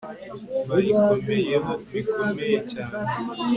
bayikomeyeho bikomeye cyane